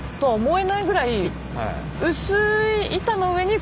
え。